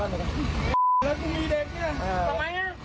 มึงผิดแล้วมึงผิดแล้ว